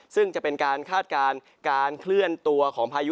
ซึ่งจะเป็นการคาดการณ์การเคลื่อนตัวของพายุ